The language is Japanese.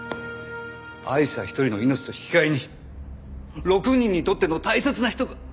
アイシャ１人の命と引き換えに６人にとっての大切な人が。